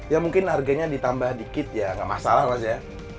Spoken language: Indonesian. ya mungkin harganya ditambah dikit ya nggak masalah mas ya